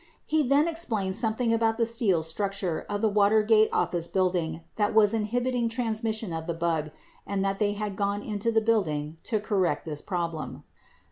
He then explained something about the steel structure of the Watergate Office Building that was inhibiting transmission of the bug and that they had gone into the building to correct this problem."